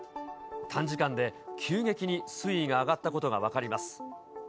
短時間で急激に水位が上がったことが分かります。